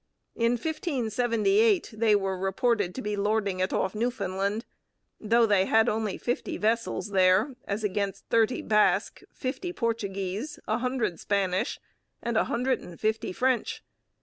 In 1578 they were reported to be lording it off Newfoundland, though they had only fifty vessels there, as against thirty Basque, fifty Portuguese, a hundred Spanish, and a hundred and fifty French.